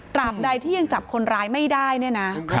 ตราบใดที่ยังจับคนร้ายไม่ได้เนี่ยน่ะครับ